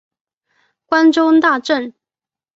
关中大震。